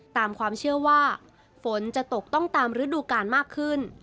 ตามความเชื่อว่าฝนจะตกต้องตามฤดูกาลมากขึ้น